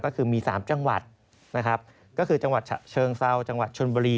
ก็คือมี๓จังหวัดนะครับก็คือจังหวัดฉะเชิงเซาจังหวัดชนบุรี